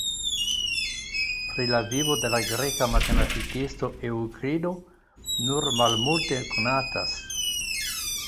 Pri la vivo de la greka matematikisto Eŭklido nur malmulte konatas.